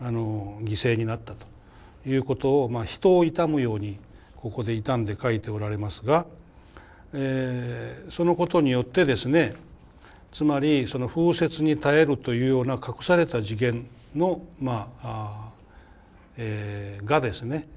犠牲になったということを人を悼むようにここで悼んで書いておられますがそのことによってですねつまり「風雪に耐える」というような「隠された次元」がですね